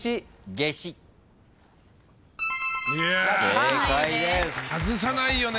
正解です。